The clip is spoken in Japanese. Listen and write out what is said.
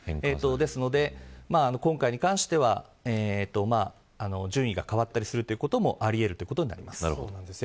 ですので、今回に関しては順位が変わったりすることもあり得るということになります。